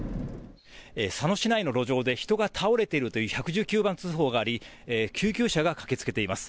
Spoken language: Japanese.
佐野市内の路上で人が倒れているという１１９番通報があり救急車が駆けつけています。